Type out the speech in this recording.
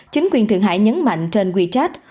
chính quyền thượng hải nhấn mạnh trên wechat